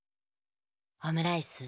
オムライス？